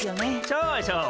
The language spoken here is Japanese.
そうそう。